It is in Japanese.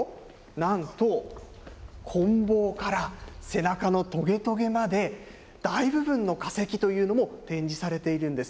なんとこん棒から背中のトゲトゲまで、大部分の化石というのも展示されているんです。